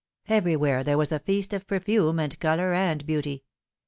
Everywhere there was a feast of perfume and colour and beauty.